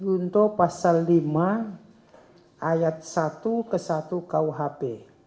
untuk pasal lima ayat satu ke satu kuhp